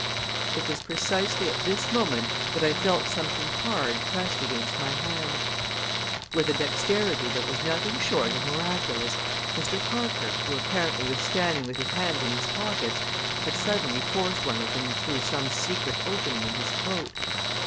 It was precisely at this moment that I felt something hard pressed against my hand. With a dexterity that was nothing short of miraculous, Mr. Parker, who apparently was standing with his hands in his pockets, had suddenly forced one of them through some secret opening in his coat.